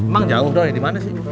emang jauh doi di mana sih